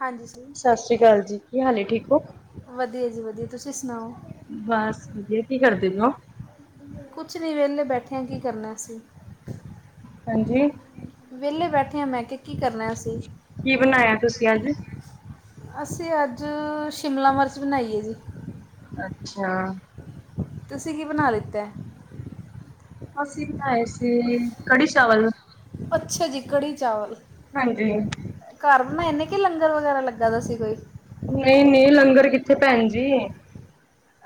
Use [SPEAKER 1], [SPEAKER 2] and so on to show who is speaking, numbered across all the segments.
[SPEAKER 1] ਹਾਂਜੀ। ਸਰ।
[SPEAKER 2] ਸਤਿ ਸ੍ਰੀ ਅਕਾਲ ਜੀ। ਕੀ ਹਾਲ ਠੀਕ ਹੋ।
[SPEAKER 1] ਵਧੀਆ। ਜੀ। ਵਧੀਆ। ਤੁਸੀਂ। ਸੁਣਾਓ।
[SPEAKER 2] ਬਸ। ਵਧੀਆ। ਕੀ। ਕਰਦੇ। ਹੋ। ਹੋ।
[SPEAKER 1] ਕੁਛ। ਨਹੀ। ਵਿਹਲੇ। ਬੈਠਿਆ। ਕੀ। ਕਰਨਾ। ਅਸੀਂ।
[SPEAKER 2] ਹਾਂਜੀ।
[SPEAKER 1] ਵਿਹਲੇ। ਬੈਠੇ। ਹਾਂ। ਮੈਂ। ਕਿਹਾ। ਕੀ। ਕਰਨਾ। ਅਸੀ।
[SPEAKER 2] ਕੀ। ਬਣਾਇਆ। ਤੁਸੀਂ। ਅੱਜ।
[SPEAKER 1] ਅਸੀਂ। ਅੱਜ। ਸ਼ਿਮਲਾ। ਮਿਰਚ। ਬਣਾਈ। ਹੈ। ਜੀ।
[SPEAKER 2] ਅੱਛਾ।
[SPEAKER 1] ਤੁਸੀਂ। ਕੀ। ਬਣਾ। ਲਿੱਤਾ?
[SPEAKER 2] ਅਸੀ ਬਣਾਏ ਸੀ ਕੜੀ ਚਾਵਲ।
[SPEAKER 1] ਅੱਛਾ ਜੀ। ਕੜੀ ਚਾਵਲ।
[SPEAKER 2] ਹਾਂਜੀ।
[SPEAKER 1] ਘਰ। ਬਣਾਏ। ਨੇ। ਕੀ। ਲੰਗਰ। ਵਗੈਰਾ। ਲੱਗਾ। ਦਾ। ਸੀ। ਕੋਈ।
[SPEAKER 2] ਨਹੀਂ-ਨਹੀਂ ਲੰਗਰ ਕਿੱਥੇ ਭੈਣ ਜੀ।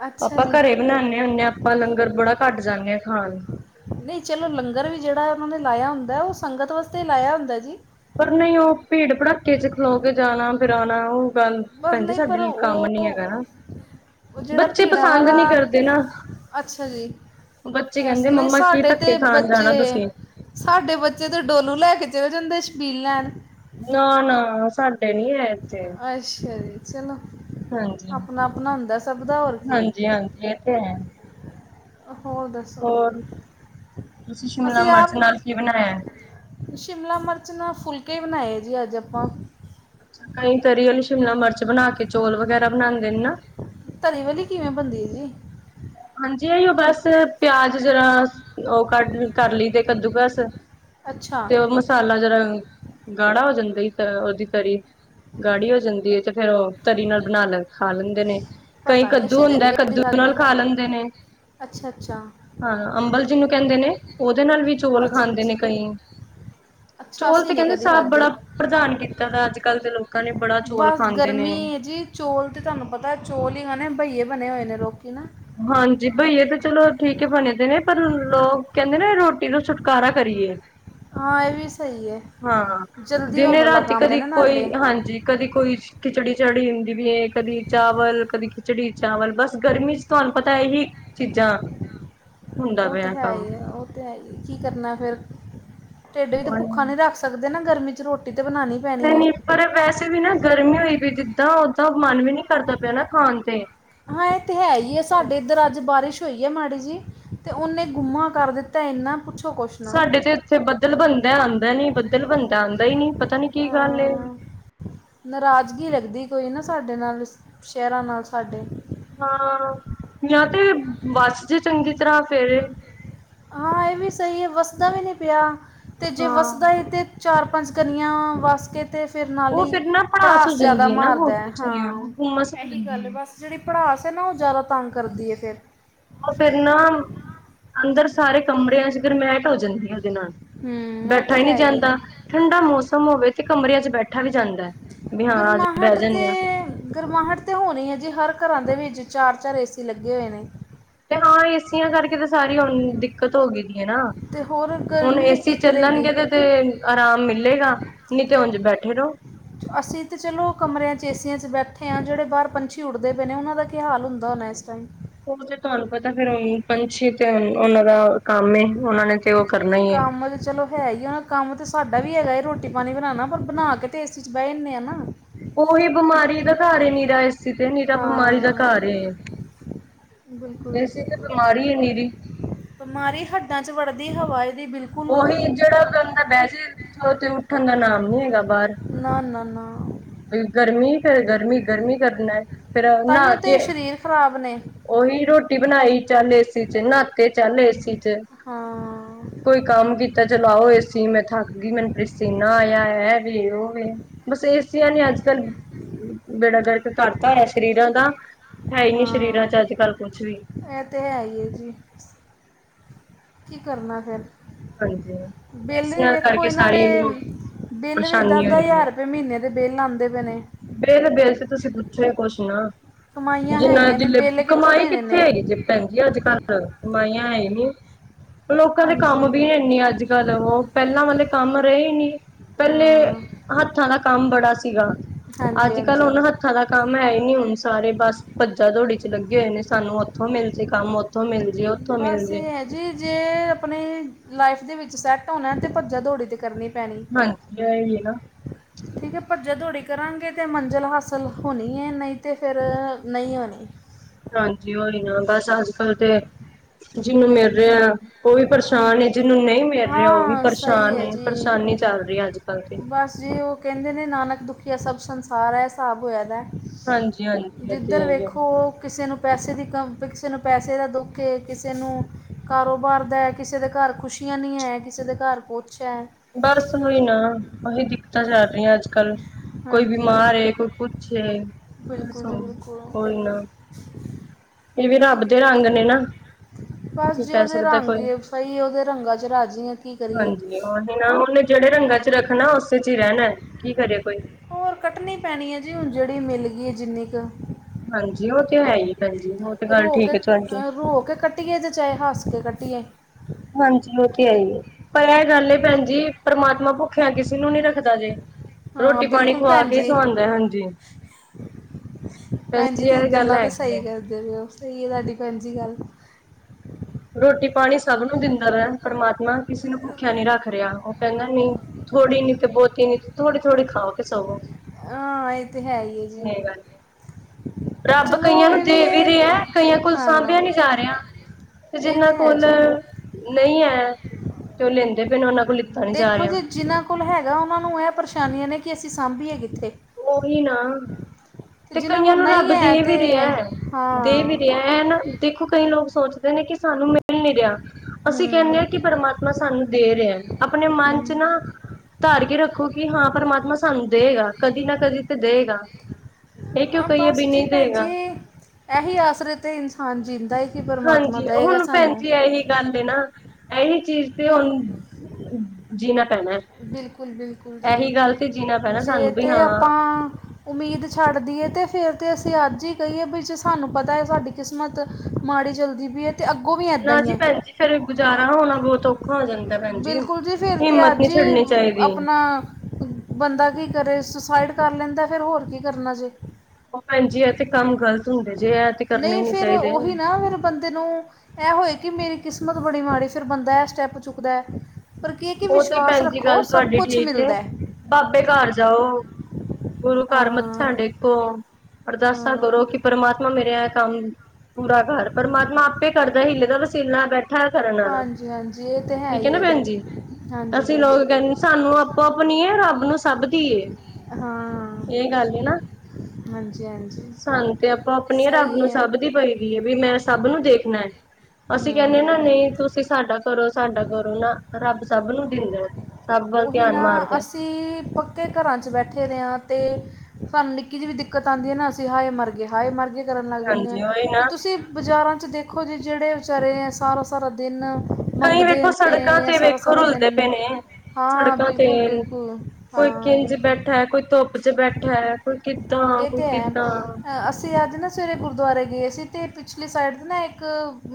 [SPEAKER 1] ਅੱਛਾ
[SPEAKER 2] ਆਪਾਂ
[SPEAKER 1] ਜੀ
[SPEAKER 2] ਘਰੇ ਬਣਾਉਦੇ ਹੁੰਦੇ ਹਾਂ। ਆਪਾਂ ਲੰਗਰ ਬੜਾ ਘੱਟ ਜਾਂਦੇ ਹਾਂ ਖਾਣ।
[SPEAKER 1] ਨਹੀਂ ਚਲੋ ਲੰਗਰ ਵੀ ਜਿਹੜਾ। ਉਹਨਾਂ ਨੇ ਲਾਇਆ ਹੁੰਦਾ। ਉਹ ਸੰਗਤ ਵਾਸਤੇ ਹੀ ਲਾਇਆ ਹੁੰਦਾ ਜੀ।
[SPEAKER 2] ਪਰ ਨਹੀਂ ਉਹ ਭੀੜ ਭੜਾਕੇ 'ਚ ਖਲੋ ਕੇ ਜਾਣਾ ਫਿਰ ਆਉਣਾ ਉਹ। ਗ
[SPEAKER 1] ਬਸ
[SPEAKER 2] ਭੈਜੀ
[SPEAKER 1] ਨਹੀਂ
[SPEAKER 2] ਸਾਡੇ
[SPEAKER 1] ਪਰ
[SPEAKER 2] ਲਈ ਕੰਮ
[SPEAKER 1] ਉਹ
[SPEAKER 2] ਨੀ ਹੈਗਾ।
[SPEAKER 1] ਉਹ ਜਿਹੜਾ
[SPEAKER 2] ਬੱਚੇ।
[SPEAKER 1] ਭੀੜਾਂ
[SPEAKER 2] ਪਸੰਦ
[SPEAKER 1] ਵਾਲਾ
[SPEAKER 2] ਨੀ ਕਰਦੇ ਨਾ।
[SPEAKER 1] ਅੱਛਾ ਜੀ
[SPEAKER 2] ਬੱਚੇ
[SPEAKER 1] ਅਸ
[SPEAKER 2] ਕਹਿੰਦੇ
[SPEAKER 1] ਨਹੀਂ
[SPEAKER 2] ਮੰਮਾ ਕੀ
[SPEAKER 1] ਸਾਡੇ
[SPEAKER 2] ਧੱਕੇ
[SPEAKER 1] ਤੇ
[SPEAKER 2] ਖਾਣ ਜਾਣਾ
[SPEAKER 1] ਬੱਚੇ
[SPEAKER 2] ਤੁਸੀਂ।
[SPEAKER 1] ਸਾਡੇ। ਬੱਚੇ। ਤਾਂ। ਡੋਲੂ। ਲੈ। ਕੇ। ਚਲੇ। ਜਾਂਦੇ। ਛਬੀਲ। ਲੈਣ।
[SPEAKER 2] ਨਾ -ਨਾ ਸਾਡੇ ਨੀ ਹੈ। ਇੱਥੇ
[SPEAKER 1] ਅੱਛਾ ਜੀ। ਚਲੋ
[SPEAKER 2] ਹਾਂਜੀ,
[SPEAKER 1] ਆਪਣਾ-ਆਪਣਾ ਹੁੰਦਾ ਸਭ ਦਾ ਹੋਰ ਕੀ।
[SPEAKER 2] ਹਾਂਜੀ, ਹਾਂਜੀ ਇਹ ਤੇ ਹੈ।
[SPEAKER 1] ਹੋ ਦ।
[SPEAKER 2] ਹੋਰ, ਤੁਸੀਂ ਸ਼ਿਮਲਾ
[SPEAKER 1] ਅਸੀਂ
[SPEAKER 2] ਮਿਰਚ
[SPEAKER 1] ਆਪ
[SPEAKER 2] ਨਾਲ ਕੀ ਬਣਾਇਆ।
[SPEAKER 1] ਸ਼ਿਮਲਾ। ਮਿਰਚ। ਨਾ। ਫੁਲਕੇ। ਬਣਾਏ। ਜੀ। ਅੱਜ। ਆਪਾਂ।
[SPEAKER 2] ਕਈ। ਤਰੀ। ਵਾਲੀ। ਸ਼ਿਮਲਾ। ਮਿਰਚ। ਬਣਾ। ਕੇ। ਚੋਲ। ਵਗੈਰਾ। ਬਣਾਉਂਦੇ। ਨੇ। ਨਾ।
[SPEAKER 1] ਤਰੀ। ਵਾਲੀ। ਕਿਵੇਂ। ਬਣਦੀ। ਜੀ।
[SPEAKER 2] ਹਾਂਜੀ। ਆ। ਉਹ। ਬਸ। ਪਿਆਜ। ਜਰਾ। ਉਹ। ਕੱਢ। ਕਰ। ਲਈ। ਤੇ। ਕੱਦੂ। ਕਸ।
[SPEAKER 1] ਅੱਛਾ
[SPEAKER 2] ਤੇ। ਉਹ। ਮਸਾਲਾ। ਜਰਾ। ਗਾੜਾ। ਹੋ। ਜਾਂਦਾ। ਸੀ। ਤਾਂ। ਉਹਦੀ। ਤਰੀ। ਗਾੜੀ। ਹੋ। ਜਾਂਦੀ। ਹੈ। ਤੇ। ਫੇਰ। ਉਹ। ਤਰੀ। ਨਾਲ। ਬਣਾ। ਲੈਂਦੇ। ਖਾ ਲੈਂਦੇ ਨੇ ਕਈ
[SPEAKER 1] ਪਤਾ ਨਹੀਂ
[SPEAKER 2] ਕੱਦੂ
[SPEAKER 1] ਅਸੀਂ ਤਾਂ ਨਹੀਂ
[SPEAKER 2] ਹੁੰਦਾ
[SPEAKER 1] ਕਦੀ
[SPEAKER 2] ਕੱਦੂ ਨਾਲ
[SPEAKER 1] ਖਾਧੇ
[SPEAKER 2] ਖਾ ਲੈਂਦੇ ਨੇ।
[SPEAKER 1] ਅੱਛਾ ਅੱਛਾ।
[SPEAKER 2] ਹਾਂ। ਅੰਬਲ ਜਿਹਨੂੰ ਕਹਿੰਦੇ ਨੇ ਉਹਦੇ ਨਾਲ ਵੀ ਚੌਲ
[SPEAKER 1] ਅੱਛਾ
[SPEAKER 2] ਖਾਂਦੇ ਨੇ
[SPEAKER 1] ਅੱਛਾ
[SPEAKER 2] ਕਈ।
[SPEAKER 1] ਅੱਛਾ
[SPEAKER 2] ਚੋਲ
[SPEAKER 1] ਅਸੀਂ
[SPEAKER 2] ਤੇ
[SPEAKER 1] ਨਹੀਂ
[SPEAKER 2] ਕਹਿੰਦੇ
[SPEAKER 1] ਕਦੀ
[SPEAKER 2] ਸਾਫ਼
[SPEAKER 1] ਖਾਧੇ
[SPEAKER 2] ਬੜਾ ਪ੍ਰਦਾਨ ਕੀਤਾ ਦਾ ਅੱਜ ਕੱਲ੍ਹ ਦੇ ਲੋਕ। ਕਨੇ ਬੜਾ ਚੌਲ
[SPEAKER 1] ਬਸ
[SPEAKER 2] ਖਾਂਦੇ
[SPEAKER 1] ਗਰਮੀ
[SPEAKER 2] ਨੇ।
[SPEAKER 1] ਹੈ ਜੀ ਚੌਲ ਤੇ ਤੁਹਾਨੂੰ ਪਤਾ ਚੌਲ ਹੀ ਕਣੇ ਬਈਏ ਬਣੇ ਹੋਏ ਨੇ ਲੋਕੀ ਨਾ।
[SPEAKER 2] ਹਾਂਜੀ ਬਈਏ ਤਾਂ ਚਲੋ ਠੀਕ ਹੈ ਬਣੇਦੇ ਨੇ ਪਰ ਲੋਕ ਕਹਿੰਦੇ ਨੇ ਰੋਟੀ ਤੋਂ ਛੁਟਕਾਰਾ ਕਰੀਏ।
[SPEAKER 1] ਹਾਂ ਇਹ ਵੀ ਸਹੀ ਹੈ
[SPEAKER 2] ਹਾਂ
[SPEAKER 1] ਜਲਦੀ ਹੋਣ
[SPEAKER 2] ਦਿਨੇ
[SPEAKER 1] ਵਾਲਾ
[SPEAKER 2] ਰਾਤੀ
[SPEAKER 1] ਕੰਮ ਹੈ
[SPEAKER 2] ਕਦੀ
[SPEAKER 1] ਨਾ ਨਾਲੇ
[SPEAKER 2] ਕੋਈ ਹਾਂਜੀ। ਕਦੇ ਕੋਈ ਖਿਚੜੀ ਚੜੀ ਹੁੰਦੀ ਵੀ ਹੈ। ਕਦੀ ਚਾਵਲ ਕਦੀ ਖਿਚੜੀ ਚਾਵਲ ਬਸ ਗਰਮੀ 'ਚ। ਤੁਹਾਨੂੰ ਪਤਾ ਇਹੀ ਚੀਜ਼ਾਂ ਹੁੰਦਾ ਪਿਆ ਕੰਮ।
[SPEAKER 1] ਅਤੇ ਕੀ ਕਰਨਾ ਫਿਰ, ਤਿਡ ਵੀ ਤਾਂ ਭੁੱਖਾ ਨਹੀਂ ਰੱਖ ਸਕਦੇ ਨਾ ਗਰਮੀ 'ਚ ਰੋਟੀ ਤਾਂ ਬਣਾਉਣੀ। ਪੈਣੀ ਹੈ
[SPEAKER 2] ਨਹੀਂ, ਪਰ ਵੈਸੇ ਵੀ ਨਾ ਗਰਮੀ ਹੋਈ ਪਈ ਜਿੱਦਾਂ ਓਦਾਂ ਮਨ ਵੀ ਨੀ ਕਰਦਾ ਪਿਆ ਨਾ ਖਾਣ ਤੇ।
[SPEAKER 1] ਹਾਂ, ਇਹ ਤੇ ਹੈ ਹੀ ਏ, ਸਾਡੇ ਇੱਧਰ ਅੱਜ ਬਾਰਿਸ਼ ਹੋਈ ਹੈ, ਮਾੜੀ ਜੀ ਤੇ ਉਹਨੇ ਗੁੰਮਾ ਕਰ ਦਿੱਤਾ ਇੰਨਾ ਕੁਛ ਨਾ
[SPEAKER 2] ਸਾਡੇ ਤੇ ਇੱਥੇ ਬੱਦਲ ਬੰਦਾਂ ਆਂਦਾ ਨੀ ਬੱਦਲ ਬੰਦਾਂ ਆਂਦਾ ਹੀ ਨੀ, ਪਤਾ ਨੀ ਕੀ ਗੱਲ ਏ।
[SPEAKER 1] ਨਾਰਾਜ਼ਗੀ ਲੱਗਦੀ ਕੋਈ ਨਾ ਸਾਡੇ ਨਾਲ, ਸ਼ਹਿਰਾਂ ਨਾਲ ਸਾਡੇ।
[SPEAKER 2] ਯਾ ਤੇ ਵਸ ਜੇ ਚੰਗੀ ਤਰ੍ਹਾਂ ਫੇਰ।
[SPEAKER 1] ਹਾਂ ਇਹ ਵੀ ਸਹੀ ਹੈ, ਵੱਸਦਾ ਵੀ ਨਹੀਂ ਪਿਆ ਤੇ ਜੇ
[SPEAKER 2] ਹਾਂ।
[SPEAKER 1] ਵਸਦਾ ਏ ਤੇ ਚਾਰ ਪੰਜ ਕਣੀਆਂ ਵਸ ਕੇ ਤੇ ਫਿਰ ਨਾਲ
[SPEAKER 2] ਉਹ
[SPEAKER 1] ਹੀ
[SPEAKER 2] ਫਿਰ ਨਾ ਭੜਾਸ ਹੋ
[SPEAKER 1] ਪੜਾਸ ਜਿਆਦਾ
[SPEAKER 2] ਜਾਂਦੀ ਨਾ ਹੋਰ
[SPEAKER 1] ਮਾਰਦਾ ਹੈ,
[SPEAKER 2] ਕੁਛ ਨੀ ਆ
[SPEAKER 1] ਹਾਂ
[SPEAKER 2] ਹੁੰਮਸ ਹੋ
[SPEAKER 1] ਇਹੀ
[SPEAKER 2] ਜਾਂਦੀ
[SPEAKER 1] ਗੱਲ ਆ
[SPEAKER 2] ਏ।
[SPEAKER 1] ਬਸ। ਜਿੜੀ ਪੜ੍ਹਾਸ ਹੈ ਨਾ, ਉਹ ਜ਼ਿਆਦਾ ਤੰਗ ਕਰਦੀ ਏ ਫੇਰ।
[SPEAKER 2] ਉਹ ਫੇਰ ਨਾ, ਅੰਦਰ ਸਾਰੇ ਕਮਰਿਆਂ ਚ ਗਰਮੈਸ਼ ਹੋ ਜਾਂਦੀ ਹੈ, ਉਹਦੇ ਨਾਲ
[SPEAKER 1] ਹੂੰ ਉਹ ਤੇ
[SPEAKER 2] ਬੈਠਾ ਹੀ ਨਹੀਂ
[SPEAKER 1] ਹੈ ਹੈ
[SPEAKER 2] ਜਾਂਦਾ,
[SPEAKER 1] ਜੀ
[SPEAKER 2] ਠੰਡਾ ਮੌਸਮ ਹੋਵੇ ਤੇ ਕਮਰਿਆਂ ਚ ਬੈਠਾ ਵੀ ਜਾਂਦਾ ਹੈ। ਵੀ ਹਾਂ ਬਹਿ
[SPEAKER 1] ਗਰਮਾਹਟ ਤੇ
[SPEAKER 2] ਜਾਂਦੇ ਆ।
[SPEAKER 1] ਗਰਮਹਟ ਤਾਂ ਹੋਣੀ ਹੈ ਜੀ, ਹਰ ਘਰਾਂ ਦੇ ਵਿੱਚ ਚਾਰ ਚਾਰ ਏਸੀ ਲੱਗੇ ਹੋਏ ਨੇ।
[SPEAKER 2] ਹਾਂ, ਏਸੀਆਂ ਕਰਕੇ ਤੇ ਸਾਰੀ ਹੁਣ ਦਿੱਕਤ ਹੋ ਗਈਦੀ ਹੈ ਨਾ।
[SPEAKER 1] ਤੇ ਹੋਰ
[SPEAKER 2] ਹੁਣ
[SPEAKER 1] ਗਰਮੀ ਵੀ
[SPEAKER 2] ਏਸੀ
[SPEAKER 1] ਕੀ ਕਰੇਗੀ।
[SPEAKER 2] ਚੱਲਣਗੇ ਤੇ ਤੇ ਆਰਾਮ ਮਿਲੇਗਾ, ਨੀ ਤੇ ਉਂਝ ਬੈਠੇ ਰਹੋਂ।
[SPEAKER 1] ਅਸੀਂ ਤਾਂ ਚਲੋ ਕਮਰਿਆਂ ਚ ਏਸੀਆਂ ਚ ਬੈਠੇ ਹਾਂ। ਜਿਹੜੇ ਬਾਹਰ ਪੰਛੀ ਉੱੜਦੇ ਪਏ ਨੇ ਉਹਨਾਂ ਦਾ ਕੀ ਕੀ ਹਾਲ ਹੁੰਦਾਂ ਹੋਣਾਂ ਇਸ ਟਾਈਮ।
[SPEAKER 2] ਉਹ ਤੇ ਤੁਹਾਨੂੰ ਪਤਾ ਫੇਰ ਪੰਛੀ ਤੇ ਉਹਨਾਂ ਦਾ ਕੰਮ ਏ ਉਹਨਾਂ ਨੇ ਤੇ ਉਹ ਕਰਨਾ ਹੀ ਏ।
[SPEAKER 1] ਕੰਮ। ਚਲੋ ਹੈ ਹੀ ਏ ਕੰਮ ਤਾਂ ਸਾਡਾ ਵੀ ਹੈਗਾ ਹੈ, ਰੋਟੀ ਪਾਣੀ ਬਣਾਣਾ। ਪਰ ਬਣਾ ਕੇ ਤੇ ਐਸੀ 'ਚ ਬਹਿ ਜਾਂਨੇ ਆ ਨਾ।
[SPEAKER 2] ਉਹੀ, ਬਿਮਾਰੀ ਦਾ ਘਰ ਏ ਨੀਰਾ ਏਸ ਚ। ਤੇ ਨੀਰਾ ਬਿਮਾਰੀ ਦਾ
[SPEAKER 1] ਹਾਂ
[SPEAKER 2] ਘਰ ਏ
[SPEAKER 1] ਬਿਲਕੁਲ
[SPEAKER 2] ਏਸੀੇ ਤੇ ਬਿਮਾਰੀ ਏ ਨੀਰੀ।
[SPEAKER 1] ਬੀਮਾਰੀ ਹੱਡਾਂ ਤਨ ਵੜਦੀ ਹਵਾ ਏਦੀ ਬਿਲਕੁਲ।
[SPEAKER 2] ਉਹੀ, ਜਿਹੜਾ ਬੰਦਾ ਬਹਿ ਜੇ ਉਥੋਂ ਤੇ ਉੱਠਣ ਦਾ ਨਾਮ ਨੀ ਹੈਗਾ। ਬਾਹਰ।
[SPEAKER 1] ਨਾ ਨਾ ਨਾ
[SPEAKER 2] ਗਰਮੀ ਤੇ ਗਰਮੀ ਗਰਮੀ ਕਰਨਾ ਏ ਫੇਰ ਨਹਾ ਕੇ
[SPEAKER 1] ਫੀਰ ਖ਼ਰਾਬ ਨੇਂ।
[SPEAKER 2] ਉਓਹੀ, ਰੋਟੀ ਬਣਾਈ ਚੱਲ ਏਸੀ ਚ, ਨਹਾਤੇ ਚੱਲ ਏਸੀ ਚ।
[SPEAKER 1] ਹਾਂ।
[SPEAKER 2] ਕੋਈ ਕੰਮ ਕੀਤਾ ਚਲਾਆਓ ਏਸੀ। ਮੈਂ ਥੱਕਗਈ ਮੈਨੂੰ ਪਰਸੀਨਾ ਆਇਆ ਏ ਇਹ ਵੇ ਉਹ ਵੇ। ਬਸ ਏ ਸਿਆ ਨੇ ਅੱਜ ਕੱਲ ਬੇੜਾ ਗਰਕ ਕਰਤਾ ਹੋਆ ਸਰੀਰਾਂ ਦਾ ਹੈ ਹੀ ਨੀ ਸਰੀਰਾਂ
[SPEAKER 1] ਹਾਂ
[SPEAKER 2] ਚ ਅੱਜ ਕੱਲ ਕੁਛ ਵੀ
[SPEAKER 1] ਇਹ ਅਤੇ ਹਈਏ ਜੀ ਕੀ ਕਰਨਾ ਫਿਰ।
[SPEAKER 2] ਹਾਂਜੀ
[SPEAKER 1] ਬਿੱਲ
[SPEAKER 2] ਇਸ
[SPEAKER 1] ਵੀ
[SPEAKER 2] ਨਾਲ
[SPEAKER 1] ਵੇਖੋ
[SPEAKER 2] ਕਰਕੇ
[SPEAKER 1] ਇਹਨਾਂ
[SPEAKER 2] ਸਾਰੀ
[SPEAKER 1] ਦੇ, ਬਿੱਲ ਵੀ
[SPEAKER 2] ਪਰੇਸ਼ਾਨੀ
[SPEAKER 1] ਦਸ ਦਸ
[SPEAKER 2] ਹੋਏਗੀ
[SPEAKER 1] ਹਜ਼ਾਰ। ਬੇ, ਮਹੀਨੇ ਦੇ ਬਿੱਲ ਆਉਂਦੇ ਪਏ ਨੇ।
[SPEAKER 2] ਅਪਰੀਲ ਬਿੱਲ ਚ ਤੁਸੀਂ ਪੁੱਛੋ ਹੀ ਕੁਛ ਨਾ।
[SPEAKER 1] ਕਮਾਈਆਂ
[SPEAKER 2] ਜਿੰਨਾਂ
[SPEAKER 1] ਹੈਗੀਆਂ
[SPEAKER 2] ਦਿ
[SPEAKER 1] ਨੇ
[SPEAKER 2] ਲਿਬ
[SPEAKER 1] ਬਿੱਲ ਕਿੱਥੋਂ
[SPEAKER 2] ਕਮਾਈ
[SPEAKER 1] ਦੇਣੇ
[SPEAKER 2] ਕਿੱਥੇ
[SPEAKER 1] ਨੇ
[SPEAKER 2] ਹੈਗੀ ਜੇ। ਭੈਣਜੀ, ਅੱਜ ਕੱਲ ਕਮਾਈਆਂ ਹੈ ਹੀ ਨੀ। ਲੋਕਾਂ ਦੇ ਕੰਮ
[SPEAKER 1] ਹਾਂਜੀ
[SPEAKER 2] ਵੀ ਹੇਨੀ ਅੱਜ ਕੱਲ, ਉਹ ਪਹਿਲਾਂ ਵਾਲੇ ਕੰਮ ਰਹੇ ਨਹੀ ਪਹਿਲੇ
[SPEAKER 1] ਹਾਂ
[SPEAKER 2] ਹੱਥਾਂ ਦਾ ਕੰਮ ਬੜਾ ਸੀਗਾ।
[SPEAKER 1] ਹਾਂਜੀ
[SPEAKER 2] ਅੱਜ ਕੱਲ੍ਹ
[SPEAKER 1] ਹਾਂਜੀ
[SPEAKER 2] ਉਹਣ ਹੱਥਾਂ ਦਾ ਕੰਮ ਹੈ ਹੀ ਨੀ ਹੁਣ ਸਾਰੇ ਬਸ ਭੱਜਾ ਦੜੀ ਚ ਲੱਗੇ ਹੋਏ ਨੇ ਸਾਨੂੰ ਇਥੋਂ ਮਿਲ ਜੇ ਕੰਮ ਉਥੋਂ ਮਿਲ ਜੇ। ਉੱਥੋਂ ਮਿਲ
[SPEAKER 1] ਬਸ
[SPEAKER 2] ਜੇ
[SPEAKER 1] ਇਹ ਜ।। ਜੀ, ਜੇ ਆਪਣੀ ਲਾਈਫ ਦੇ ਵਿੱਚ ਸੈੱਟ ਹੋਣਾ ਏ, ਤੇ ਭੱਜਾ ਦੋੜੀ ਤੇ ਕਰਨੀ ਪੈਣੀ
[SPEAKER 2] ਹਾਂਜੀ, ਆਈ ਏ, ਨਾ।
[SPEAKER 1] ਠੀਕ ਹੈ, ਭੱਜਾ-ਦੌੜੀ ਕਰਾਂਗੇ ਤਾਂ ਮੰਜ਼ਿਲ ਹਾਸਲ ਹੋਣੀਂ ਏ, ਨਹੀਂ ਤਾਂ ਫਿਰ ਅਅ ਨਹੀਂ ਹੋਣੀਂ।
[SPEAKER 2] ਹਾਂਜੀ ਓਹ ਹੀ ਨਾ ਬਸ ਅੱਜ ਕੱਲ ਤੇ ਜਿਹਨੂੰ ਮਿਲ ਰਿਹੇ ਆ ਉਹ ਵੀ ਪਰੇਸ਼ਾਨ ਏ, ਜਿਹਨੂੰ ਨਹੀਂ ਮਿਲ ਰਿਹਾ ਉਹ ਵੀ
[SPEAKER 1] ਹਾਂ ਸਹੀ
[SPEAKER 2] ਪਰੇਸ਼ਾਨ
[SPEAKER 1] ਹੈ
[SPEAKER 2] ਏ,
[SPEAKER 1] ਜੀ
[SPEAKER 2] ਪਰੇਸ਼ਾਨੀ ਚੱਲ ਰਹੀ ਹੈ ਅੱਜ ਕੱਲ-ਤੇ।
[SPEAKER 1] ਬਸ ਜੀ ਉਹ ਕਹਿੰਦੇ ਨੇ, ਨਾਨਕ ਦੁਖੀਆ ਸਭ ਸੰਸਾਰ, ਐ ਹਿਸਾਬ ਹੋਇਆ ਦਾ।
[SPEAKER 2] ਹਾਂਜੀ ਹਾਂਜੀ ਇਹ ਤੇ
[SPEAKER 1] ਜਿੱਧਰ
[SPEAKER 2] ਹੈਗੇ।
[SPEAKER 1] ਵੇਖੋ, ਕਿਸੇ ਨੂੰ ਪੈਸੇ ਦੀ ਕਮ ਕਿਸੇ ਨੂੰ ਪੈਸੇ ਦਾ ਦੁਖ ਏ, ਕਿਸੇ ਨੂੰ ਕਾਰੋ ਵੱਰਦੈ ਕਿਸੇ ਦੇ ਘਰ ਖੁਸ਼ੀਆਂ ਨਹੀ ਹੈ, ਕਿਸੇ ਦੇ ਘਰ ਕੂਛ ਹੈ।
[SPEAKER 2] ਬਸ ਓਹੀ ਨਾ, ਔਹੀ ਦਿੱਕਤਾਂ ਚਲ ਰਹੀਆਂ ਅਜ-ਕਲ। ਕੋਈ
[SPEAKER 1] ਹਾਂਜੀ
[SPEAKER 2] ਬਿਮਾਰ ਏ, ਕੋਈ ਕੁਛ ਏ। ਬ
[SPEAKER 1] ਬਿਲਕੁਲ
[SPEAKER 2] ਓ,
[SPEAKER 1] ਜੀ ਬਿਲਕੁਲ
[SPEAKER 2] ਓਈ ਨਾ, ਇਹ ਵੀ
[SPEAKER 1] ਕੀ
[SPEAKER 2] ਰੱਬ ਦੇ ਰੰਗ ਨੇ ਨਾ।
[SPEAKER 1] ਬਸ
[SPEAKER 2] ਕੀ
[SPEAKER 1] ਜੀ,
[SPEAKER 2] ਕਹਿ
[SPEAKER 1] ਉਹਦੇ
[SPEAKER 2] ਸਕਦਾ
[SPEAKER 1] ਰੰਗ
[SPEAKER 2] ਕੋਈ
[SPEAKER 1] ਏ, ਸਹੀ ਏ, ਉਹਦੇ ਰੰਗਾਂ 'ਚ ਰਾਜੀ ਆ ਕੀ ਕਰੀਏ।
[SPEAKER 2] ਹਾਂਜੀ, ਉਹਨੇ ਨਾ, ਉਹਨੇ ਜਿਹੜੇ ਰੰਗਾ 'ਚ ਰੱਖਣਾ ਉਸੇ 'ਚ ਹੀ ਰਹਿਣਾ ਕੀ ਕਰੇ ਕੋਈ।
[SPEAKER 1] ਹੋਰ ਕਟਣੀ ਪੈਣੀ ਏ, ਜੀ ਹੁਣ ਜਿਹੜੀ ਮਿਲ ਗਈ ਏ, ਜਿਨੀ ਕੁ
[SPEAKER 2] ਹਾਂਜੀ, ਉਹ ਤੇ ਹੈ ਹੀ ਭੈਨਜੀ, ਉਹ ਤੇ ਗਲ ਠੀਕ ਏ ਤੁਹਾਡੀ।
[SPEAKER 1] ਟੀਏ ਅਤੇ ਚਾਹੇ ਹੱਸਕੇ ਕੱਟੀਏ।
[SPEAKER 2] ਹਾਂਜੀ, ਓ ਤੇ, ਹੈਹੀਏ। ਪਰ ਐ ਗਲ ਏ ਭੈਣ ਜੀ, ਪਰਮਾਤਮਾ ਭੁਖਿਆਂ ਕਿਸੇ ਨੂੰ ਨੀ ਰੱਖਦਾ ਜੇ।
[SPEAKER 1] ਹਾਂ
[SPEAKER 2] ਰੋਟੀ-ਪਾਣੀ
[SPEAKER 1] ਬਿਲਕੁਲ ਭੈਣ
[SPEAKER 2] ਖਵਾਕੇ ਈ
[SPEAKER 1] ਜੀ
[SPEAKER 2] ਸਵਾਉਂਦਾ ਏ, ਹਾਂਜੀ। ਭੈਣਜੀ, ਇਹ ਗੱਲ ਹੈਗੀ ਏ।
[SPEAKER 1] ਦੇ ਪਏ ਓ, ਸਹੀ ਏ ਤੁਹਾਡੀ ਭੈਣਜੀ ਗੱਲ।
[SPEAKER 2] ਰੋਟੀ-ਪਾਣੀ ਸਭ ਨੂੰ ਦਿਦਾ ਵਾ, ਪਰਮਾਤਮਾ! ਕਿਸੇ ਨੂੰ ਭੁਖਿਆ ਨੀ ਰਖ ਰਿਹਾ, ਉਹ ਕਹਿਦਾ ਨਹੀ, ਥੋੜ੍ਹੀ ਨੀ ਤੇ ਬਹੁਤੀ ਨੀ ਥੋੜੀ-ਥੋੜ੍ਹੀ ਖਾਕੇ ਸੌਵੋ।
[SPEAKER 1] ਹਾਂ, ਇਹ ਤੇ, ਹੈਹੀ ਏ ਜੀ।
[SPEAKER 2] ਗੱਲ ਰੱਬ ਕਈਆਂ
[SPEAKER 1] ਚਲੋ
[SPEAKER 2] ਨੂੰ
[SPEAKER 1] ਇਹ
[SPEAKER 2] ਦੇ ਵੀ ਰਿਹਾ, ਕਈਆਂ
[SPEAKER 1] ਇਹ
[SPEAKER 2] ਕੋਲ
[SPEAKER 1] ਹਾਂ
[SPEAKER 2] ਸਾਂਭਿਆ ਨੀ ਜਾ ਰਿਹਾ।
[SPEAKER 1] ਇਹ
[SPEAKER 2] ਜਿਹਨਾਂ
[SPEAKER 1] ਤਾਂ ਹੈ
[SPEAKER 2] ਕੋਲ
[SPEAKER 1] ਜੀ
[SPEAKER 2] ਨਹੀ ਐ, ਤੇ ਉਹ ਲੈਂਦੇ ਪਏ ਨੇ ਉਹਨਾਂ ਕੋਲ ਨੀ ਜਾ ਰਿਹਾ
[SPEAKER 1] ਦੇਖੋਜੀ ਜਿੰਨਾ ਕੋਲ ਹੈਗਾ ਉਹਨਾਂ ਨੂੰ ਇਹ ਪਰੇਸ਼ਾਨੀਆਂ ਨੇ ਕਿ, ਅਸੀ ਸਾਂਭੀਏ ਕਿਥੇ।
[SPEAKER 2] ਓਹੀ ਨਾ। ਤੇ
[SPEAKER 1] ਜਿਨ੍ਹਾਂ
[SPEAKER 2] ਕਈਆਂ
[SPEAKER 1] ਕੋਲ
[SPEAKER 2] ਨੂੰ ਰੱਬ
[SPEAKER 1] ਨਹੀਂ ਹੈ
[SPEAKER 2] ਦੇ ਵੀ ਰਿਹੈ,
[SPEAKER 1] ਤਾਂ
[SPEAKER 2] ਦੇ ਵੀ
[SPEAKER 1] ਹਾਂ
[SPEAKER 2] ਰਿਹਾ ਐ ਨਾ- ਦੇਖੋ ਕਈ ਲੋਕ ਸੋਚਦੇ ਨੇ ਕਿ ਸਾਨੂੰ ਮਿਲ ਨੀ ਰਿਹਾ, ਅਸੀ ਕਹਿਦੇ
[SPEAKER 1] ਹੂੰ
[SPEAKER 2] ਹਾਂ ਕਿ ਪਰਮਾਤ ਤਮਾਂ ਸਾਨੂੰ ਦੇ ਰਿਹਾ, ਆਪਣੇ ਮਨ 'ਚ
[SPEAKER 1] ਹੂੰ
[SPEAKER 2] ਨਾ ਧਾਰ ਕੇ ਰਖੋ ਕਿ, ਹਾਂ, ਪ੍ਰਮਾਤਮਾ ਸਾਨੂੰ ਦੇਗਾ, ਕਦੀ ਨਾ ਕਦੀ ਤੇ ਦੇਗਾ। ਇਹ ਕਿਉ ਕਹੀਏ, ਬੀ ਨਹੀਂ ਦੇਗਾ।
[SPEAKER 1] ਐਹੀ ਆਸਰੇ ਤੇ ਇਨਸਾਨ ਜੀਂਦਾ ਹੈ, ਕਿ ਪ੍ਰਮਾਤਮਾ
[SPEAKER 2] ਹਾਂਜੀ
[SPEAKER 1] ਦਏਗਾ
[SPEAKER 2] ਹੁਣ ਭੈਣ
[SPEAKER 1] ਸਾਨੂੰ।
[SPEAKER 2] ਜੀ ਇਹੀ ਗੱਲ ਏ ਨਾ, ਇਹੀ ਚੀਜ਼ ਤੇ ਹੁਣ ਜੀਣਾ ਪੈਣਾ।
[SPEAKER 1] ਬਿਲਕੁਲ-ਬਿਲਕੁਲ ਜੀ,
[SPEAKER 2] ਇਹੀ ਗੱਲ ਤੇ ਜੀਣਾ ਪੈਣਾ
[SPEAKER 1] ਜੇ
[SPEAKER 2] ਸਾਨੂੰ ਵੀ
[SPEAKER 1] ਤੇ
[SPEAKER 2] ਹਾਂ
[SPEAKER 1] ਆਪਾਂ ਉਮੀਦ ਛੱਡਦੀਏ ਅਤੇ ਫਿਰ ਤੇ ਅਸੀ ਅੱਜ ਹੀ ਕਹੀਏ, ਵੀ ਜੇ ਸਾਨੂੰ ਪਤਾ ਹੈ, ਸਾਡੀ ਕਿਸਮਤ ਮਾੜੀ ਚਲਦੀ ਪਈ ਏ।
[SPEAKER 2] ਨਾ ਜੀ ਭੈਣ ਜੀ, ਫਿਰ ਗੁਜ਼ਾਰਾ ਹੋਣਾ ਬਹੁਤ ਔਖਾ ਹੋ ਜਾਂਦਾ।
[SPEAKER 1] ਬਿਲਕੁਲ ਜੀ, ਫਿਰ ਤੇ
[SPEAKER 2] ਹਿੰਮਤ
[SPEAKER 1] ਅੱਜ
[SPEAKER 2] ਨੀ
[SPEAKER 1] ਹੀ
[SPEAKER 2] ਛੱਡਣੀ ਚਾਹੀਦੀ।
[SPEAKER 1] ਅਪਨਾ ਬੰਦਾ ਕੀ ਕਰੇ, ਸੁਸਾਈਡ ਕਰ ਲੈਂਦਾ ਫਿਰ ਹੋਰ ਕੀ ਕਰਨਾ ਜੇ‌।
[SPEAKER 2] ਉਹ ਭੈਣਜੀ, ਐ ਤੇ ਕੰਮ ਗ਼ਲਤ ਹੁਦੇ ਜੇ, ਐ
[SPEAKER 1] ਨਹੀ ਫਿਰ, ਓਹੀ ਨਾ ਫਿਰ ਬੰਦੇ ਨੂੰ ਐ ਹੋਏ ਕਿ, ਮੇਰੀ ਕਿਸਮਤ ਬੜੀ ਮਾੜੀ ਫਿਰ ਬੰਦਾ ਐ ਸਟੈਪ ਚੁਕਦਾ। ਫਰਕ ਏ ਕੀ,
[SPEAKER 2] ਉਹ ਤੇ
[SPEAKER 1] ਵਿਸ਼ਵਾਸ
[SPEAKER 2] ਭੈਣ ਜੀ
[SPEAKER 1] ਰੱਖੋ
[SPEAKER 2] ਗੱਲ
[SPEAKER 1] ਸਭ
[SPEAKER 2] ਤੁਹਾਡੀ
[SPEAKER 1] ਕੁਛ
[SPEAKER 2] ਠੀਕ ਏ।
[SPEAKER 1] ਮਿਲਦਾ।
[SPEAKER 2] ਬਾਬੇ ਘਰ ਜਾਓ, ਗੁਰੂ ਘਰ
[SPEAKER 1] ਹਾਂ
[SPEAKER 2] ਮੱਥਾ ਟੇਕੋ, ਅਰਦਾਸਾਂ ਕਰੋ
[SPEAKER 1] ਹਾਂ
[SPEAKER 2] ਕਿ, ਪਰਮਾਤਮਾ ਮੇਰੇ ਐ ਕੰਮ ਪੂਰਾ ਕਰ, ਪਰਮਾਤਮਾ ਆਪੇ ਕਰਦਾ ਹੀਲੇ ਦਾ ਵਸੀਲ ਬੈਠ ਠਾ ਕਰਨ ਵਾਲਾ,
[SPEAKER 1] ਹਾਂਜੀ ਹਾਂਜੀ ਇਹ ਤਾਂ ਹੈ
[SPEAKER 2] ਠੀਕ ਐ
[SPEAKER 1] ਹੀ
[SPEAKER 2] ਨਾ
[SPEAKER 1] ਹੈ
[SPEAKER 2] ਭੈਣ ਜੀ।
[SPEAKER 1] ਹਾਂਜੀ
[SPEAKER 2] ਅਸੀ
[SPEAKER 1] ਭੈਣ
[SPEAKER 2] ਲੋਕ
[SPEAKER 1] ਜੀ
[SPEAKER 2] ਕਹਿਦੇ ਸਾਨੂੰ ਆਪੋ ਆਪਣੀ ਹੈ। ਰੱਬ ਨੂੰ ਸਭ ਦੀਏ
[SPEAKER 1] ਹਾਂ-
[SPEAKER 2] ਇਹ ਗਲ ਨਾ
[SPEAKER 1] ਹਾਂਜੀ ਹਾਂਜੀ
[SPEAKER 2] ਸਾਨੂੰ ਤੇ ਆਪਾਂ ਆਪਣੀ ਆ ਰਬ ਨੂੰ
[SPEAKER 1] ਸਹੀ ਹੈ
[SPEAKER 2] ਸਭ ਦੀ ਪਈ ਵੀ ਮੈਂ ਸਭ ਨੂੰ ਦੇਖਣਾ ਹੈ ਅਸੀ ਕਹਿਦੇ ਹ ਨਾ
[SPEAKER 1] ਹਾਂ
[SPEAKER 2] ਨਹੀਂ ਤੁਸੀ ਸਾਡਾ ਕਰੋ, ਸਾਡਾ ਕਰੋ, ਨਾ। ਰਬ ਸਭ ਨੂੰ ਦਿਂਦੈ।
[SPEAKER 1] ਉਹੀ ਨਾ ਅਸੀ ਪਕੇ ਘਰਾ ਬੈਠੇ ਰਹੇ ਹਾਂ ਤੇ ਸਾਨੂੰ ਨਿਕੀ ਜਿਹੀ ਵੀ ਦਿਕਤ ਆਉਦੀ ਹੈ। ਨਾ ਅਸੀ ਹਾਏ ਮਰਗੇਏ ਹਾਏ ਮਰਗੇਏ ਕਰਨ ਲਗ ਜਾਦੇ ਹਾਂ
[SPEAKER 2] ਹਾਂਜੀ ਉਹੀ
[SPEAKER 1] ਅਤੇ
[SPEAKER 2] ਨਾ
[SPEAKER 1] ਤੁਸੀ ਬਜ਼ਾਰਾਂ 'ਚ ਦੇਖੋ ਜੀ ਜਿਹੜੇ ਵਿਚਾਰੇ ਸਾਰਾ ਸਾਰਾ ਦਿਨ
[SPEAKER 2] ਕਈ
[SPEAKER 1] ਮੰਗਦੇ
[SPEAKER 2] ਵੇਖੋ ਸੜਕਾਂ
[SPEAKER 1] ਨੇ ਜਾਂ
[SPEAKER 2] ਤੇ
[SPEAKER 1] ਸਾਰਾ
[SPEAKER 2] ਵੇਖੋ
[SPEAKER 1] ਸਾਰਾ ਦਿਨ
[SPEAKER 2] ਰੁਲਦੇ ਪਏ ਨੇ
[SPEAKER 1] ਹਾਂ
[SPEAKER 2] ਸੜਕਾਂ ਤੇ
[SPEAKER 1] ਬਿਲਕੁਲ ਬਿਲਕੁਲ
[SPEAKER 2] ਕੋਈ
[SPEAKER 1] ਹਾਂ
[SPEAKER 2] ਕਿੰਜ
[SPEAKER 1] ਬਿਲਕੁਲ
[SPEAKER 2] ਬੈਠਾ ਹੈ ਕੋਈ ਧੁੱਪ ਚ ਬੈਠਾ ਹੈ ਕੋਈ
[SPEAKER 1] ਹਾਂ
[SPEAKER 2] ਕਿੱਦਾਂ
[SPEAKER 1] ਇਹ
[SPEAKER 2] ਕੋਈ
[SPEAKER 1] ਤੇ ਹੈ
[SPEAKER 2] ਕਿੱਦਾਂ
[SPEAKER 1] ਅਸੀਂ ਅੱਜ ਨਾ ਸਵੇਰੇ ਗੁਰਦੁਆਰੇ ਗਏ ਸੀ ਤੇ, ਪਿਛਲੀ ਸਾਈਡ ਨਾ ਇੱਕ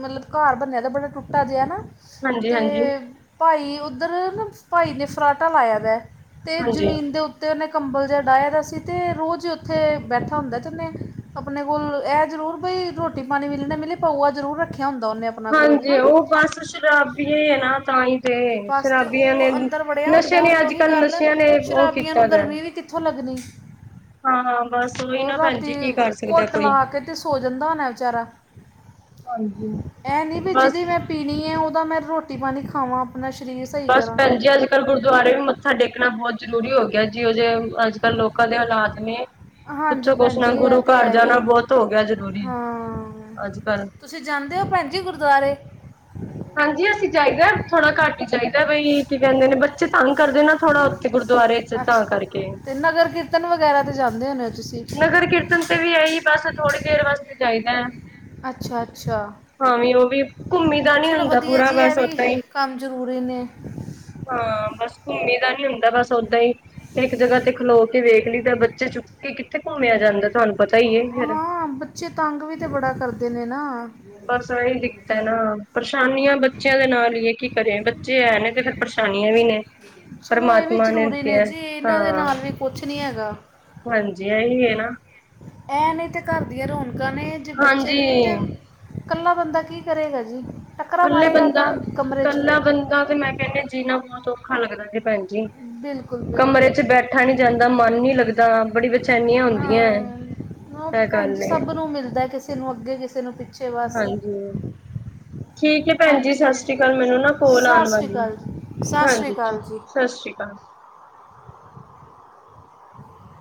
[SPEAKER 1] ਮਤਲਬ ਘਰ ਬਣਿਆ ਦਾ ਬੜਾ ਟੁੱਟਾ ਜਿਹਾ ਨਾ,
[SPEAKER 2] ਹਾਂਜੀ ਹਾਂਜੀ
[SPEAKER 1] ਅਤੇ ਭਾਈ ਉੱਧਰ ਨਾ ਭਾਈ ਨੇ ਫਰਾਟਾ ਲਾਇਆ ਦਾ ਤੇ
[SPEAKER 2] ਹਾਂਜੀ
[SPEAKER 1] ਜ਼ਮੀਨ ਦੇ ਉੱਪ ਤੇ ਉਹਨੇ ਕੰਬਲ ਜਿਹਾ ਡਾਹਿਆ ਦਾ ਸੀ, ਤੇ ਰੋਜ਼ ਉੱਥੇ ਬੈਠਾ ਹੁੰਦਾ ਤੇ ਉਹਨੇ ਆਪਣੇ ਕੋਲ ਹੈ ਜ਼ਰੂਰ ਭਈ ਰੋਟੀ ਪਾਣੀ ਮਿਲ ਨਾ ਮਿਲੀ ਪਊਆ ਜ਼ਰੂਰ ਰੱਖਿਆ ਹੁੰਦਾ ਉਹਨੇ ਆਪ
[SPEAKER 2] ਹਾਂਜੀ ਉਹ ਬਸ ਸ਼ਰਾਬਏ ਹੈ ਨਾ ਤਾਂ ਹੀ ਤੇ
[SPEAKER 1] ਬਸ ਅਤੇ
[SPEAKER 2] ਸ਼ਰਾਬੀਆਂ ਨੇ
[SPEAKER 1] ਉਹ ਅੰਦਰ ਵੜਿਆ
[SPEAKER 2] ਨਸ਼ੇ
[SPEAKER 1] ਹੁੰਦਾ
[SPEAKER 2] ਨੇ
[SPEAKER 1] ਉਹਨੇ
[SPEAKER 2] ਅੱਜ
[SPEAKER 1] ਉਹੀ
[SPEAKER 2] ਕੱਲ੍ਹ
[SPEAKER 1] ਗੱਲ
[SPEAKER 2] ਨਸ਼ਿਆਂ ਨੇ ਉਹ
[SPEAKER 1] ਸ਼ਰਾਬੀਆਂ
[SPEAKER 2] ਕੀਤਾ
[SPEAKER 1] ਨੂੰ
[SPEAKER 2] ਹੈ।
[SPEAKER 1] ਗਰਮੀ ਵੀ ਕਿੱਥੋਂ ਲੱਗਣੀ
[SPEAKER 2] ਹਾਂ ਬਸ ਉਹੀ
[SPEAKER 1] ਉਹ
[SPEAKER 2] ਨਾ ਭੈਣ
[SPEAKER 1] ਰਾਤੀ
[SPEAKER 2] ਜੀ ਕੀ ਕਰ ਸਕਦਾ
[SPEAKER 1] ਘੁੱਟ
[SPEAKER 2] ਕੋਈ
[SPEAKER 1] ਲਾ ਕੇ ਸੋ ਜਾਂਦਾ ਹੋਣਾ ਵਿਚਾਰਾ
[SPEAKER 2] ਹਾਂਜੀ।
[SPEAKER 1] ਇਹ ਨਹੀਂ ਵੀ
[SPEAKER 2] ਬਸ
[SPEAKER 1] ਜਿਹਦੀ ਮੈਂ ਪੀਣੀ ਹੈ ਉਹਦਾ ਮੈਂ ਰੋਟੀ ਪਾਣੀ ਖਾਵਾਂ ਆਪਣਾ ਸਰੀਰ ਸਹੀ
[SPEAKER 2] ਬਸ
[SPEAKER 1] ਕਰਾਂ
[SPEAKER 2] ਭੈਣ ਜੀ ਅੱਜ ਕੱਲ੍ਹ ਗੁਰਦੁਆਰੇ ਵੀ ਮੱਥਾ ਟੇਕਣਾ ਬਹੁਤ ਜ਼ਰੂਰੀ ਹੋ ਗਿਆ ਜੀ ਉਹ ਜੇ ਅੱਜ ਕੱਲ੍ਹ ਲੋਕਾਂ ਦੇ ਹਾਲਾਤ ਨੇ
[SPEAKER 1] ਹਾਂਜੀ
[SPEAKER 2] ਕੁੱਛੋ ਕੁਛ
[SPEAKER 1] ਭੈਣ
[SPEAKER 2] ਨਾ
[SPEAKER 1] ਜੀ ਇਹ
[SPEAKER 2] ਗੁਰੂ
[SPEAKER 1] ਤਾਂ
[SPEAKER 2] ਘਰ
[SPEAKER 1] ਹੈ ਹੀ
[SPEAKER 2] ਜਾਣਾ ਬਹੁਤ ਹੋ ਗਿਆ ਜ਼ਰੂਰੀ
[SPEAKER 1] ਹਾਂ
[SPEAKER 2] ਅੱਜ- ਕੱਲ
[SPEAKER 1] ਤੁਸੀਂ ਜਾਂਦੇ ਹੋ ਭੈਣ ਜੀ ਗੁਰਦੁਆਰੇ
[SPEAKER 2] ਹਾਂਜੀ ਅਸੀਂ ਜਾਹੀਦਾ ਥੋੜਾ ਘੱਟ ਹੀ ਜਾਹੀਦਾ ਕ ਬਈ ਕੀ ਕਹਿੰਦੇ ਨੇ ਬੱਚੇ ਤੰਗ ਕਰਦੇ ਨਾ ਥੋੜਾ ਉੱਥੇ ਗੁਰਦੁਆਰੇ ਚ ਤਾਂ
[SPEAKER 1] ਅੱਛਾ
[SPEAKER 2] ਕਰਕੇ
[SPEAKER 1] ਤੇ ਨਗਰ ਕੀਰਤਨ ਵਗੈਰਾ ਤੇ ਜਾਂਦੇ ਹੁੰਦੇ ਹੋ ਤੁਸੀਂ
[SPEAKER 2] ਨਗਰ ਕੀਰਤਨ ਤੇ ਵੀ ਇਹੀ ਬਸ ਥੋੜ੍ਹੀ ਦੇਰ ਵਾਸਤੇ ਚਾਹੀਦਾ ਹੈ।
[SPEAKER 1] ਅੱਛਾ ਅੱਛਾ
[SPEAKER 2] ਹਾਂ ਵੀ ਉਹ ਵੀ ਘੁੰਮੀ ਦਾ ਨੀ
[SPEAKER 1] ਚਲੋ
[SPEAKER 2] ਹੁੰਦਾ
[SPEAKER 1] ਵਧੀਆ
[SPEAKER 2] ਪੂਰਾ
[SPEAKER 1] ਜੀ ਇਹ
[SPEAKER 2] ਬਸ
[SPEAKER 1] ਵੀ
[SPEAKER 2] ਓਦਾਂ ਹੀ
[SPEAKER 1] ਕੰਮ ਜ਼ਰੂਰੀ ਨੇ
[SPEAKER 2] ਹਾਂ ਬਸ ਘੁੰਮੀ ਦਾ ਨੀ ਹੁੰਦਾ ਬਸ ਓਦਾਂ ਹੀ ਇੱਕ ਜਗ੍ਹਾ ਤੇ ਖਲੋ ਵੇਖ ਲਈ ਤਾਂ ਬੱਚੇ ਚੁੱਕ ਕੇ ਕਿੱਥੇ ਘੁੰਮਿਆ ਜਾਂਦਾ ਤੁਹਾਨੂੰ ਪਤਾ ਹੀ ਹੈ ਫਿਰ
[SPEAKER 1] ਹਾਂ ਬੱਚੇ ਤੰਗ ਵੀ ਤੇ ਬੜਾ ਕਰਦੇ ਨੇ ਨਾ
[SPEAKER 2] ਬਸ ਇਹੀ ਦਿੱਕਤ ਹੈ ਨਾ ਪਰੇਸ਼ਾਨੀਆਂ ਬੱਚਿਆਂ ਦੇ ਨਾਲ ਹ ਕੀ ਕਰੇ ਬੱਚੇ ਐ ਨੇ ਤੇ ਫਿਰ ਪਰੇਸ਼ਾਨੀਆਂ ਵੀ ਨੇ
[SPEAKER 1] ਚਲੋ ਇਹ ਵੀ
[SPEAKER 2] ਪਰਮਾਤਮਾ
[SPEAKER 1] ਜ਼ਰੂਰੀ ਨੇ
[SPEAKER 2] ਦਿੱਤੀਆਂ
[SPEAKER 1] ਜੀ ਇਹਨਾਂ ਦੇ
[SPEAKER 2] ਹਾਂ
[SPEAKER 1] ਨਾਲ ਵੀ ਕੁਛ ਨੀ ਹੈਗਾ
[SPEAKER 2] ਹਾਂਜੀ ਇ ਹੀ ਹੈ ਨਾ
[SPEAKER 1] ਇਹ ਨੇ ਤੇ ਘਰ ਦੀਆਂ ਰੌਣਕਾਂ ਨੇ ਜੇ ਬੱਚੇ
[SPEAKER 2] ਹਾਂਜੀ
[SPEAKER 1] ਨੇ ਤੇ,
[SPEAKER 2] ਇਕੱਲੇ
[SPEAKER 1] ਕੱਲਾ ਬੰਦਾ ਕੀ ਕਰੇਗਾ ਜੀ ਟੱਕਰਾ
[SPEAKER 2] ਇਕੱਲੇ
[SPEAKER 1] ਮਾਰੇਗਾ
[SPEAKER 2] ਬੰਦਾ
[SPEAKER 1] ਕਾਂ- ਕਮਰੇ 'ਚ
[SPEAKER 2] ਇਕੱਲਾ ਬੰਦਾ ਤੇ ਮੈਂ ਕਹਿੰਦੇ ਜੀਣਾ ਬਹੁਤ ਔਖਾ ਲੱਗਦਾ ਸੀ ਭੈਣ
[SPEAKER 1] ਬਿਲਕੁਲ
[SPEAKER 2] ਕਮਰੇ
[SPEAKER 1] ਬਿਲਕੁਲ
[SPEAKER 2] ਚ ਬੈਠਾ ਨੀ ਜਾਂਦਾ ਮਨ ਨੀ ਲੱਗਦਾ ਬੜੀ ਚਨੀਆਂ
[SPEAKER 1] ਹਾਂ
[SPEAKER 2] ਹੁੰਦੀਆਂ
[SPEAKER 1] ਉਹ
[SPEAKER 2] ਇਹ
[SPEAKER 1] ਭੈਣ
[SPEAKER 2] ਗੱਲ
[SPEAKER 1] ਜੀ ਸਭ ਨੂੰ ਮਿਲਦਾ ਕਿਸੇ ਕਿਸੇ ਨੂੰ ਅੱਗੇ ਕਿਸੇ ਨੂੰ ਪਿੱਛੇ ਬਸ
[SPEAKER 2] ਹਾਂਜੀ ਠੀਕ ਹੈ ਭੈਣ ਜੀ ਸਤਿ
[SPEAKER 1] ਹਾਂਜੀ
[SPEAKER 2] ਸ੍ਰੀ ਅਕਾਲ ਮੈਨੂੰ ਨਾ ਕੋਲ
[SPEAKER 1] ਸਤਿ
[SPEAKER 2] ਆਉਣ
[SPEAKER 1] ਸ਼੍ਰੀ
[SPEAKER 2] ਵਾਲੀ ਆ
[SPEAKER 1] ਅਕਾਲ ਜੀ ਸਤਿ ਸ਼੍ਰੀ
[SPEAKER 2] ਹਾਂਜੀ
[SPEAKER 1] ਅਕਾਲ ਜੀ
[SPEAKER 2] ਸਤਿ ਸ੍ਰੀ ਅਕਾਲ